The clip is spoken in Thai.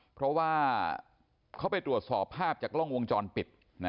เพราะว่าเขาไปตรวจสอบภาพจากกล้องวงจรปิด